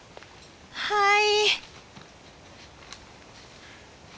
はい。